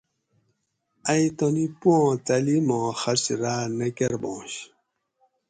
ائی تانی پوآں تعلیماں خرچ راۤت نہ کۤربانش